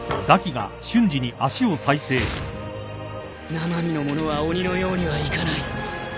生身の者は鬼のようにはいかない。